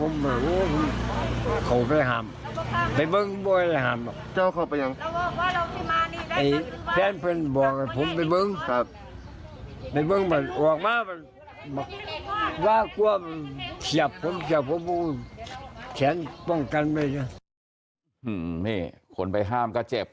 นี่คนไปห้ามก็เจ็บ